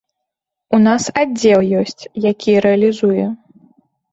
У нас аддзел ёсць, які рэалізуе.